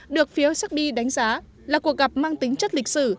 được phía séc bi đánh giá là cuộc gặp mang tính chất lịch sử